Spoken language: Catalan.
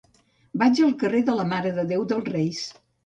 Vaig al carrer de la Mare de Déu dels Reis.